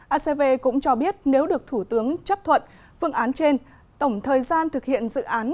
acv cũng cho biết nếu được thủ tướng chấp thuận phương án trên tổng thời gian thực hiện dự án